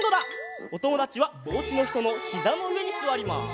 おともだちはおうちのひとのひざのうえにすわります。